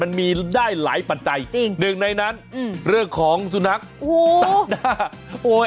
มันมีได้หลายปัจจัยหนึ่งในนั้นเรื่องของสุนัขตัดหน้าโอ๊ย